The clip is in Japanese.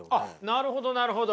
なるほどなるほど。